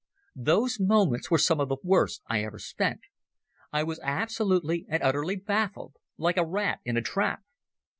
Those moments were some of the worst I ever spent. I was absolutely and utterly baffled, like a rat in a trap.